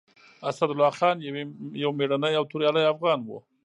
اسدالله خان يو مېړنی او توريالی افغان و.